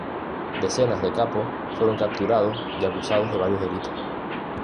Docenas de capos fueron capturados y acusados de varios delitos.